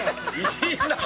いいなぁ！